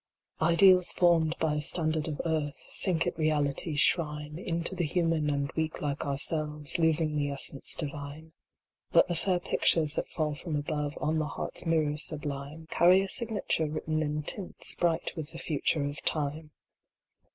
Ideals formed by a standard of earth Sink at Reality s shrine Into the human and weak like ourselves, Losing the essence divine ; But the fair pictures that fall from above On the heart s mirror sublime 1 6 DREAMS OF BEAUTY. Carry a signature written in tints, Bright with the future of time.